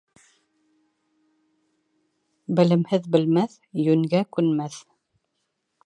Белемһеҙ белмәҫ, йүнгә күнмәҫ.